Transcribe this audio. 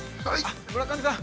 ◆村上さん。